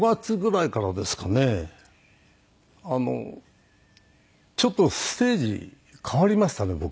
あのちょっとステージ変わりましたね僕。